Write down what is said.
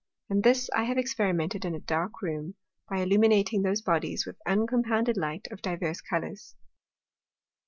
And this I have experimented in a dark Room, by illuminating those Bodies with uncompounded Light of divers Colours.